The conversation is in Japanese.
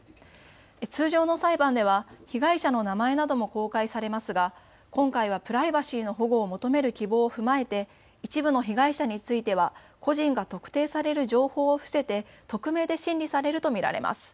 通常の裁判では被害者の名前なども公開されますが今回はプライバシーの保護を求める希望を踏まえて一部の被害者については個人が特定される情報を伏せて匿名で審理されると見られます。